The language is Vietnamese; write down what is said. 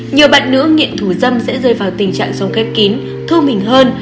nhiều bạn nữ nghiện thủ dâm sẽ rơi vào tình trạng sống kép kín thô mình hơn